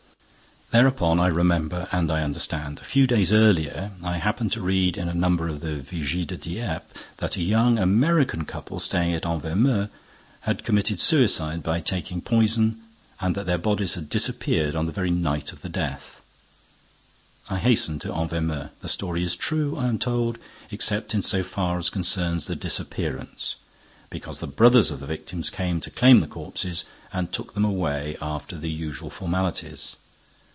Thereupon I remember and I understand. A few days earlier, I happened to read in a number of the Vigie de Dieppe that a young American couple staying at Envermeu had committed suicide by taking poison and that their bodies had disappeared on the very night of the death. I hasten to Envermeu. The story is true, I am told, except in so far as concerns the disappearance, because the brothers of the victims came to claim the corpses and took them away after the usual formalities.